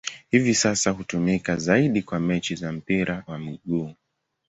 Hivi sasa hutumika zaidi kwa mechi za mpira wa miguu.